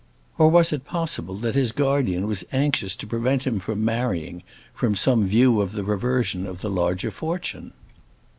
Or was it possible that his guardian was anxious to prevent him from marrying from some view of the reversion of the large fortune?